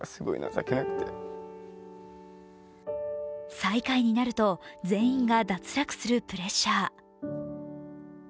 最下位になると全員が脱落するプレッシャー。